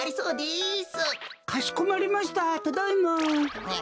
かしこまりましたただいま。